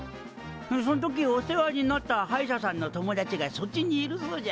そん時お世話になった歯医者さんの友達がそっちにいるそうじゃ。